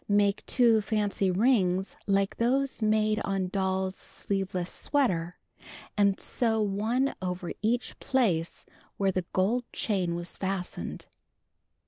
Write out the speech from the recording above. Make 2 fancy rings like those made on doll's sleeveless sweater (see page 189), and sew one over each place where the gold chain was fastened.